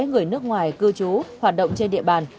người nước ngoài cư trú hoạt động trên địa bàn